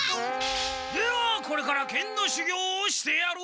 ではこれから剣のしゅぎょうをしてやろう！